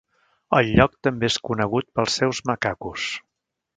El lloc també és conegut pels seus macacos.